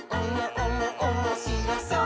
おもしろそう！」